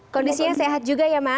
kondisinya sehat juga ya mas